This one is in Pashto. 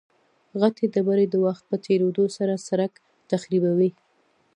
غټې ډبرې د وخت په تېرېدو سره سرک تخریبوي